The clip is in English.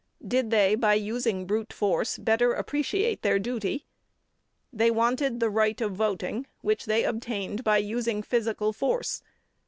Did they, by using brute force, better appreciate their duty? They wanted the right of voting, which they obtained by using physical force.